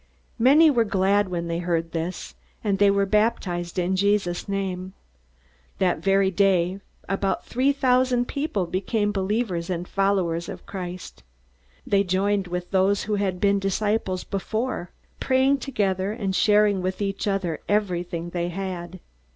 Many were glad when they heard this, and they were baptized in Jesus' name. That very day about three thousand people became believers and followers of Christ. They joined with those who had been disciples before, praying together, and sharing with each other everything they had.